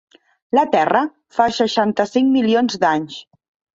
La Terra, fa seixanta-cinc milions d'anys.